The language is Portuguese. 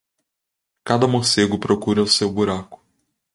Cada morcego procura o seu buraco.